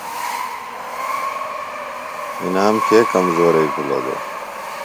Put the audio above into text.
انعام کے کمزوئی بِھلوۡ دےۡ؟